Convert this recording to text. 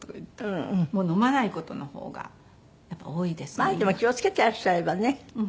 まあでも気を付けてらっしゃればね。